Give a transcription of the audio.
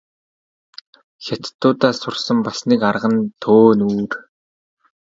Хятадуудаас сурсан бас нэг арга нь төөнүүр.